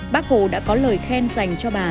bác hồ đã có lời khen dành cho bà